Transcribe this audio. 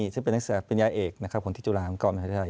ซึ่งเป็นนักศึกษาปัญญาเอกนะครับคนที่จุฬาหลังกรมการอาจารย์